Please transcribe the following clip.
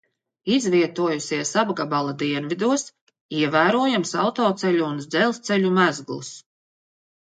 Izvietojusies apgabala dienvidos, ievērojams autoceļu un dzelzceļu mezgls.